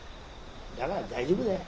だから大丈夫だよ。